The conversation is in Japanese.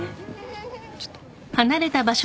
ちょっと。